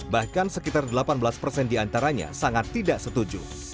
bahkan sekitar delapan belas persen diantaranya sangat tidak setuju